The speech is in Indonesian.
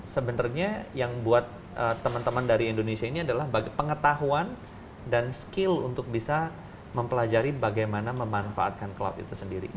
sebenarnya yang buat teman teman dari indonesia ini adalah pengetahuan dan skill untuk bisa mempelajari bagaimana memanfaatkan cloud itu sendiri